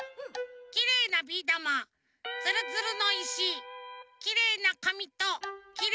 きれいなビーだまつるつるのいしきれいなかみときれいなぬのです。